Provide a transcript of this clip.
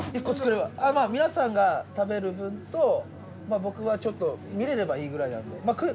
１個作れば皆さんが食べる分と僕はちょっと見られればいいくらいなんで。